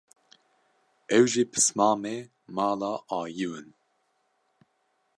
ew jî pismamê mala Ayiw in